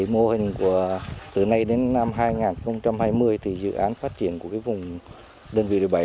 mô hình từ nay đến năm hai nghìn hai mươi dự án phát triển của vùng đơn vị địa bảy